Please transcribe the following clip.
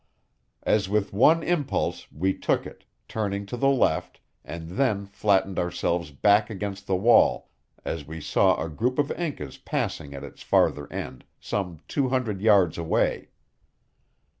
As with one impulse we took it, turning to the left, and then flattened ourselves back against the wall as we saw a group of Incas passing at its farther end, some two hundred yards away.